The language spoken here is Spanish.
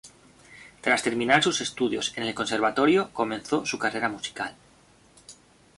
Tras terminar sus estudios en el conservatorio comenzó su carrera musical.